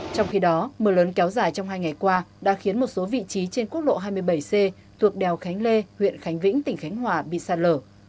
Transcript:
trong khi đó mưa lớn kéo dài trong hai ngày qua đã khiến một số vị trí trên quốc lộ hai mươi bảy c thuộc đèo khánh lê huyện khánh vĩnh tỉnh khánh hòa bị sạt lở